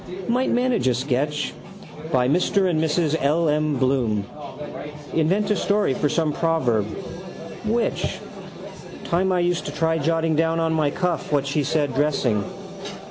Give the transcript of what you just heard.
Might manage a sketch. By Mr and Mrs L. M. Bloom. Invent a story for some proverb. Which? Time I used to try jotting down on my cuff what she said dressing.